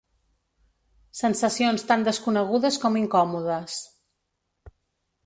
Sensacions tan desconegudes com incòmodes.